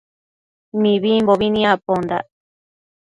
Mibimbobi nicpondac